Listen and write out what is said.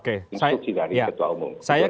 itu sih dari ketua umum